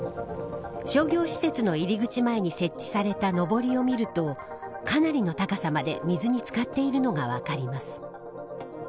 商業施設の入り口前に設置されたのぼりを見るとかなりの高さまで水につかっているのが分かります。